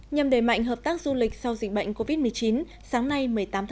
nhằm đề mạnh hợp tác du lịch sau dịch bệnh covid một mươi chín sáng nay một mươi tám một mươi hai